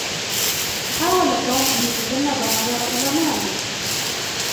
حاول توم أن يتجنب النظر إلى ماري.